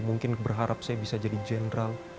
mungkin berharap saya bisa jadi general